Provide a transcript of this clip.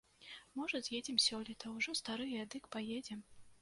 Можа з'едзем сёлета, ужо старыя, дык паедзем.